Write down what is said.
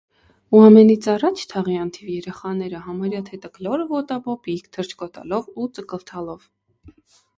Ու ամենից առաջ, թաղի անթիվ երեխաները, համարյա թե տկլոր ու ոտաբոբիկ, թռչկոտալով ու ծկլթալով: